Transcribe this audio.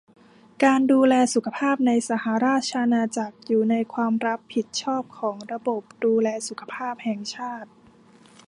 การดูแลสุขภาพในสหราชอาณาจักรอยู่ในความรับผิดชอบของระบบดูแลสุขภาพแห่งชาติ